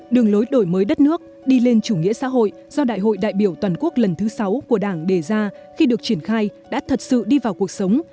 đường lối đổi mới đất nước đi lên chủ nghĩa xã hội do đại hội đại biểu toàn quốc lần thứ sáu của đảng đề ra khi được triển khai đã thật sự đi vào cuộc sống